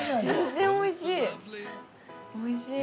全然おいしい。